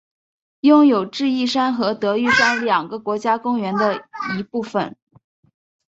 拥有智异山和德裕山两个国家公园的一部份。